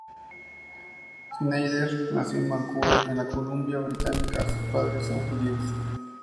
Snider nació en Vancouver, en la Columbia Británica, sus padres son judíos.